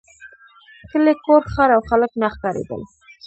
کلی کور ښار او خلک نه ښکارېدل.